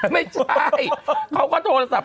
ไม่ใช่เขาก็โทรศัพท์